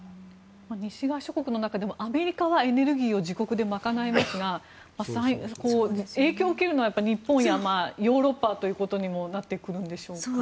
西側諸国の中でもアメリカはエネルギーを自国で賄えますが影響を受けるのは日本やヨーロッパということにもなってくるんでしょうか。